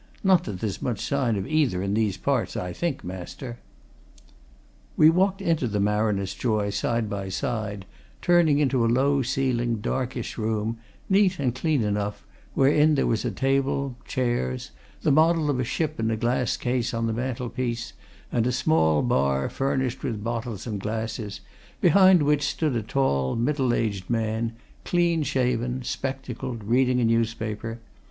Not that there's much sign of either in these parts, I think, master." We walked into the Mariner's Joy side by side, turning into a low ceilinged, darkish room, neat and clean enough, wherein there was a table, chairs, the model of a ship in a glass case on the mantelpiece, and a small bar, furnished with bottles and glasses, behind which stood a tall, middle aged man, clean shaven, spectacled, reading a newspaper.